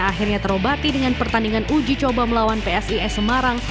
akhirnya terobati dengan pertandingan uji coba melawan psis semarang